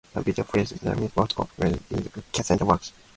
The video features documentary footage of participants in breast cancer walks.